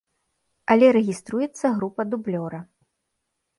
Але рэгіструецца група дублёра.